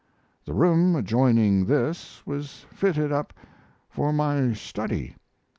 The room adjoining this was fitted up for my study.